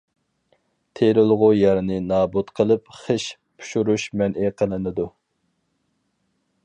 تېرىلغۇ يەرنى نابۇت قىلىپ خىش پىشۇرۇش مەنئى قىلىنىدۇ.